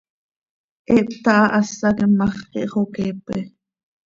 He hptahahásaquim ma x, ihxoqueepe.